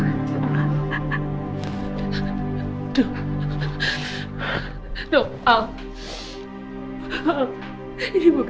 amat andina sekarang